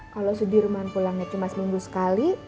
kalau sudirman pulangnya cuma seminggu sekali